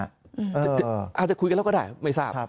อาจจะคุยกันแล้วก็ได้ไม่ทราบ